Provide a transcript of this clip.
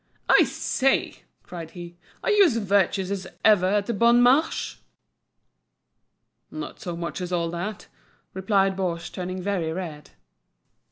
"I say," cried he, "are you as virtuous as ever at the Bon Marche?" "Not so much as all that," replied Baugé, turning very red.